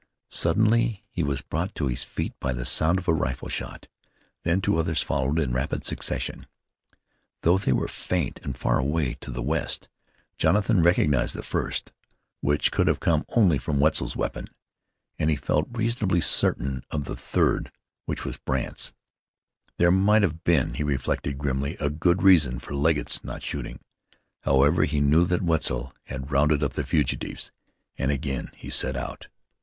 Suddenly he was brought to his feet by the sound of a rifle shot; then two others followed in rapid succession. Though they were faint, and far away to the west, Jonathan recognized the first, which could have come only from Wetzel's weapon, and he felt reasonably certain of the third, which was Brandt's. There might have been, he reflected grimly, a good reason for Legget's not shooting. However, he knew that Wetzel had rounded up the fugitives, and again he set out.